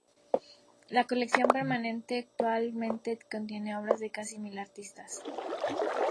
La colección permanente actualmente contiene obras de casi mil artistas.